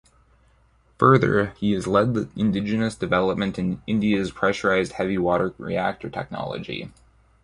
Further he has led the indigenous development in India's Pressurised Heavy Water Reactor Technology.